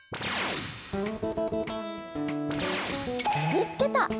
見つけた！